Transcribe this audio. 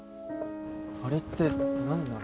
あれって何なの？